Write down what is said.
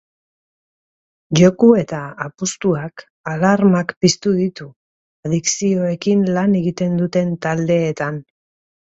Joku eta apustuak alarmak piztu ditu adikzioekin lan egiten duten taldeetan.